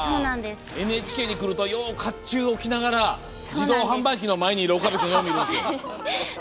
ＮＨＫに来るとよう、かっちゅうを着ながら自動販売機の前にいる岡部君を見ます。